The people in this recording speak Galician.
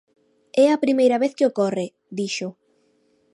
"É a primeira vez que ocorre", dixo.